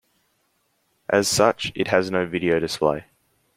As such it has no video display.